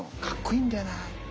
かっこいいんだよな。